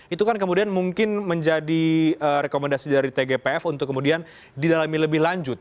itu kan kemudian mungkin menjadi rekomendasi dari tgpf untuk kemudian didalami lebih lanjut